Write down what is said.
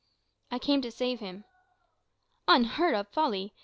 "I came to save him." "Unheard of folly!